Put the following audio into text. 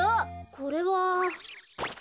これは。